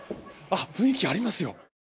雰囲気ありますよ。